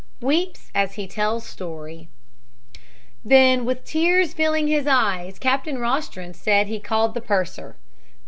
WEEPS AS HE TELLS STORY Then with tears filling his eyes, Captain Rostron said he called the purser.